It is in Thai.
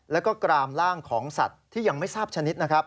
และกรามร่างของสัตว์ที่ยังไม่ทราบชนิด